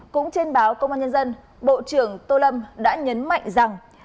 cũng trên báo công an nhân dân bộ trưởng tô lâm đã nhấn mạnh rằng